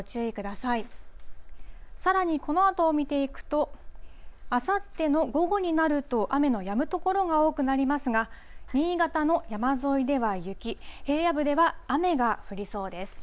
さらにこのあとを見ていくと、あさっての午後になると、雨のやむ所が多くなりますが、新潟の山沿いでは雪、平野部では雨が降りそうです。